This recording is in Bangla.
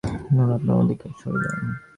ধরে রাখ আমাকে দেখতে দাও, নোরা, ওদিকে সরে যাও।